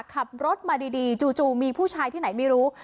ขับรถมาดีจู่มีผู้ชายที่ไหนไม่รู้